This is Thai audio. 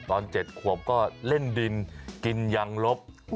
ตอน๗ขวบก็เล่นดินกินยังลบ